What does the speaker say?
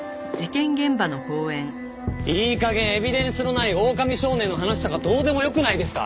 いい加減エビデンスのないオオカミ少年の話とかどうでもよくないですか？